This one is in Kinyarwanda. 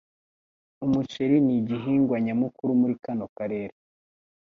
Umuceri nigihingwa nyamukuru muri kano karere.